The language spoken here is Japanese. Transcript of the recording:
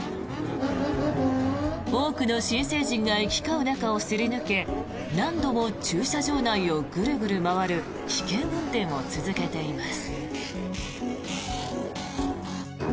多くの新成人が行き交う中をすり抜け何度も駐車場内をグルグル回る危険運転を続けています。